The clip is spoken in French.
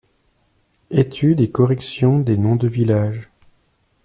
Étude et correction des noms de villages.